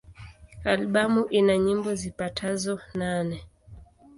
Albamu ina nyimbo zipatazo nane.